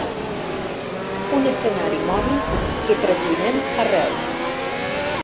Un escenari mòbil que traginem arreu.